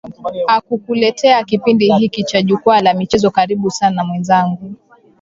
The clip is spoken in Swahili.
aa kukuletea kipindi hiki cha jukwaa la michezo karibu sana mwenzangu